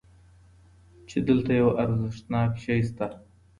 چې دلته یو ارزښتناک شی شته.